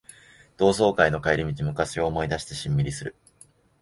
同窓会の帰り道、昔を思い返してしんみりする